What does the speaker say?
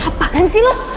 kenapa kan sih lo